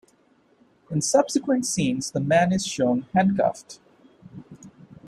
In subsequent scenes, the man is shown handcuffed.